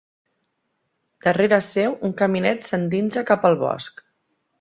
Darrere seu, un caminet s'endinsa cap al bosc.